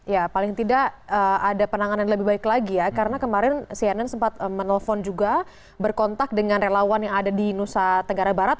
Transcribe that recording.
ya paling tidak ada penanganan lebih baik lagi ya karena kemarin cnn sempat menelpon juga berkontak dengan relawan yang ada di nusa tenggara barat